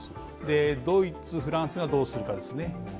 ドイツ、フランスがどうするかですね。